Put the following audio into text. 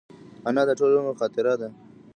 انا د ټول عمر خاطره ده